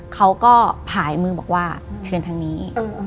เขาก็ผ่ายมือบอกว่าเชิญทางนี้